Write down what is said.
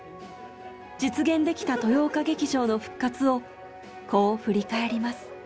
実現できた豊岡劇場の復活をこう振り返ります。